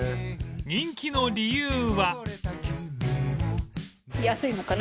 人気の理由は